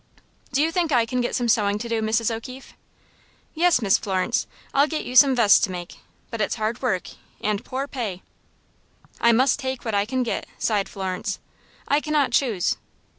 "Do you think I can get some sewing to do, Mrs. O'Keefe?" "Yes, Miss Florence I'll get you some vests to make; but it's hard work and poor pay." "I must take what I can get," sighed Florence. "I cannot choose."